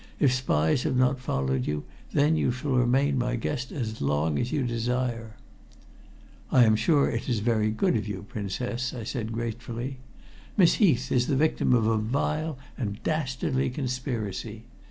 If spies have not followed you, then you shall remain my guest as long as you desire." "I am sure it is very good of you, Princess," I said gratefully. "Miss Heath is the victim of a vile and dastardly conspiracy.